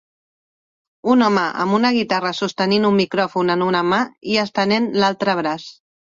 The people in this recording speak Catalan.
Un home amb una guitarra sostenint un micròfon en una mà i estenent l'altre braç.